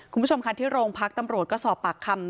คุณผู้ชมค่ะที่โรงพักตำรวจก็สอบปากคำ